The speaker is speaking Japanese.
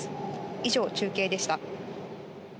以上、中継でした。